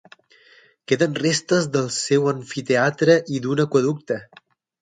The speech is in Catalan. Queden restes del seu amfiteatre i d'un aqüeducte.